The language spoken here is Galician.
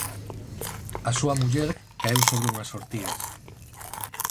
A súa muller caeu sobre unhas ortigas.